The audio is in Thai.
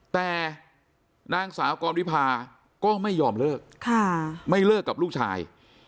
แต่นางสาวกรวิพาก็ไม่ยอมเลิกไม่เลิกกับลูกชาย